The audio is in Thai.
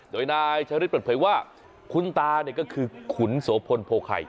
โดยนายชาริสเปิดเผยว่าคุณตาเนี่ยก็คือขุนโสพลโพไข่